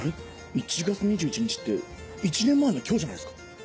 １月２１日って１年前の今日じゃないですか。